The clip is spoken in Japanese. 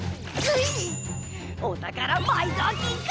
おたからまいぞうきんか！